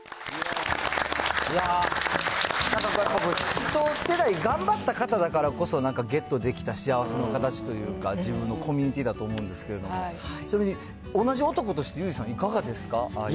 一世代頑張ったからこそ、なんかゲットできた幸せの形というか、自分のコミュニティだと思うんですけど、それに同じ男として、ユージさんいかがですか？